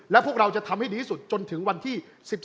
และพวกเราจะทำให้ดีที่สุดจนถึงวันที่๑๒